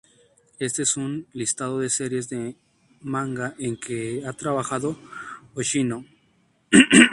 Éste es un listado de series de manga en que ha trabajado Hoshino.